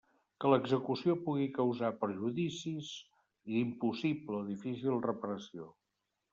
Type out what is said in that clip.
Que l'execució pugui causar perjudicis d'impossible o difícil reparació.